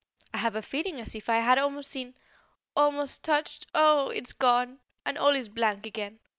"I have a feeling as if I had almost seen almost touched oh, it's gone! and all is blank again.